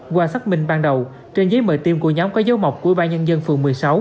qua xác minh ban đầu trên giấy mời tiêm của nhóm có dấu mọc của ủy ban nhân dân phường một mươi sáu